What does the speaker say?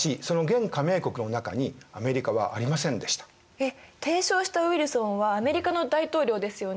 えっ提唱したウィルソンはアメリカの大統領ですよね？